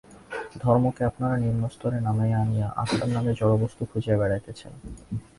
ধর্মকে আপনারা নিম্নস্তরে নামাইয়া আনিয়া আত্মার নামে জড়বস্তু খুঁজিয়া বেড়াইতেছেন।